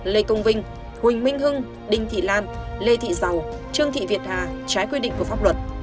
lê công vinh huỳnh minh hưng đinh thị lan lê thị giàu trương thị việt hà trái quy định của pháp luật